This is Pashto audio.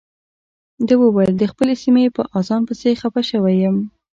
ده وویل د خپلې سیمې په اذان پسې خپه شوی یم.